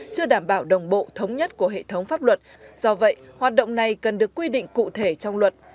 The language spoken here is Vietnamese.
chưa đảm bảo đồng bộ thống nhất của hệ thống pháp luật do vậy hoạt động này cần được quy định cụ thể trong luật